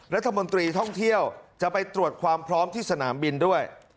รัฐมนตรีท่องเที่ยวจะไปตรวจความพร้อมที่สนามบินด้วย